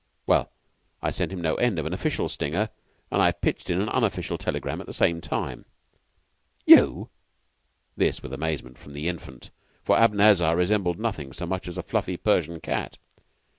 Well, I sent him no end of an official stinger, and I pitched in an unofficial telegram at the same time." "You!" This with amazement from the Infant, for Abanazar resembled nothing so much as a fluffy Persian cat.